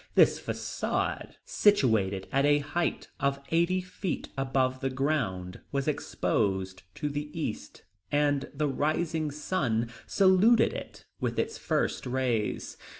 This facade, situated at a height of eighty feet above the ground, was exposed to the east, and the rising sun saluted it with its first rays.